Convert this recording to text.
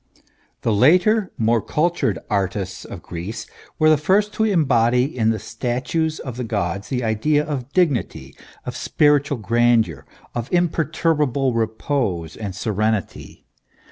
The later more cultured artists of Greece were the first to embody in the statues of the gods the ideas of dignity, of spiritual grandeur, of imperturbable repose and serenity.